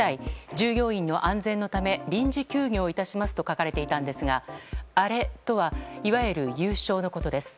従業員の安全のため臨時休業いたしますと書かれていたんですがアレとはいわゆる優勝のことです。